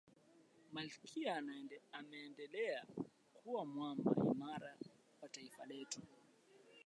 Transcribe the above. malkia ameendelea kuwa mwamba imara wa taifa letu